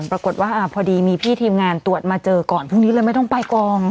ปรากฏว่าพอดีมีพี่ทีมงานตรวจมาเจอก่อนพรุ่งนี้เลยไม่ต้องไปกอง